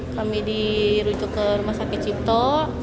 kami dirujuk ke rumah sakit cipto